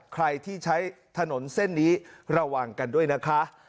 ใครที่ใช้ถนนเส้นนี้ระวังกันด้วยนะคะ